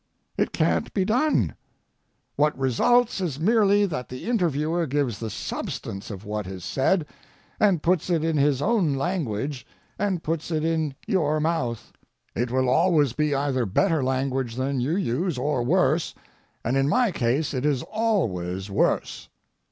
It can't be done. What results is merely that the interviewer gives the substance of what is said and puts it in his own language and puts it in your mouth. It will always be either better language than you use or worse, and in my case it is always worse.